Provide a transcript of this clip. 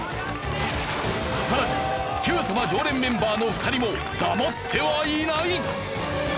さらに『Ｑさま！！』常連メンバーの２人も黙ってはいない。